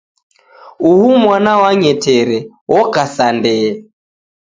Uhu mwana wang'etere, oka sa ndee.